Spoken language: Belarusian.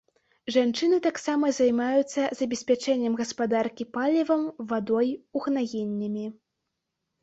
Жанчыны таксама займаюцца забеспячэннем гаспадаркі палівам, вадой, угнаеннямі.